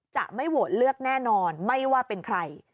จะไม่โหวตเลือกแน่นอนไม่ว่าเป็นใคร